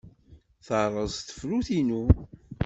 Terreẓ tefrut-inu.